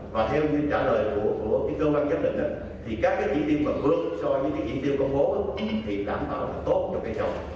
và theo những trả lời của cơ quan chấp định thì các cái chi tiêu mà vượt so với những chi tiêu công bố thì đảm bảo là tốt cho cây trồng